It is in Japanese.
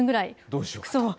どうしようかと。